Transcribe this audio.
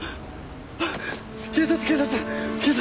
警察警察警察。